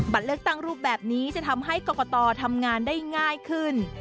เลือกตั้งรูปแบบนี้จะทำให้กรกตทำงานได้ง่ายขึ้น